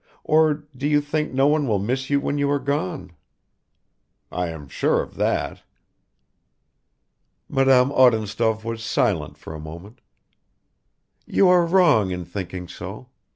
Or do you think no one will miss you when you are gone?" "I am sure of that." Madame Odintsov was silent for a moment. "You are wrong in thinking so.